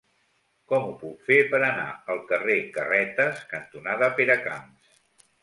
Com ho puc fer per anar al carrer Carretes cantonada Peracamps?